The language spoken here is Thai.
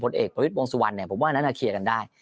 พลเกกประวิษฐ์วงศาพณ์สุวรรณภันตร์เนี่ยผมว่านั่นจะเคลียร์กันได้